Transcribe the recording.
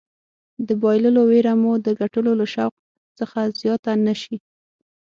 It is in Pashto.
د بایللو ویره مو د ګټلو له شوق څخه زیاته نه شي.